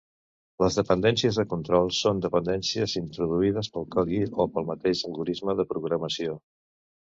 Les dependències de control són dependències introduïdes pel codi o pel mateix algorisme de programació.